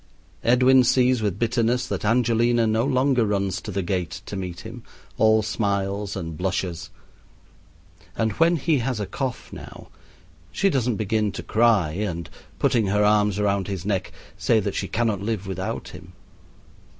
Edwin sees with bitterness that Angelina no longer runs to the gate to meet him, all smiles and blushes; and when he has a cough now she doesn't begin to cry and, putting her arms round his neck, say that she cannot live without him.